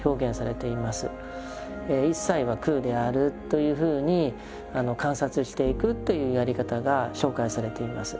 「いっさいは空である」というふうに観察していくというやり方が紹介されています。